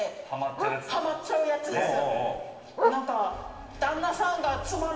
ハマっちゃうやつです。